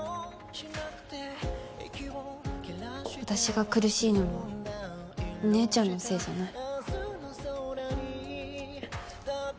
私が苦しいのはお姉ちゃんのせいじゃない。